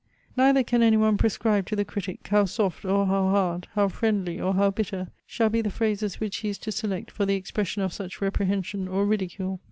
Neither can anyone prescribe to the critic, how soft or how hard; how friendly, or how bitter, shall be the phrases which he is to select for the expression of such reprehension or ridicule.